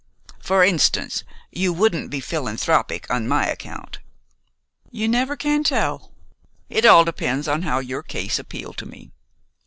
For instance, you wouldn't be philanthropic on my account." "You never can tell. It all depends how your case appealed to me.